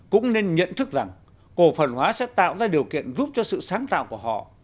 cũng nên nhận thức rằng cổ phần hóa sẽ tạo ra điều kiện giúp cho sự sáng tạo của họ